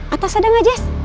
atas ada gak jess